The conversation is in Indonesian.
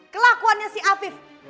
kelakuannya si afif